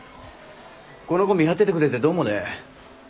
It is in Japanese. この子見張っててくれてどうもね。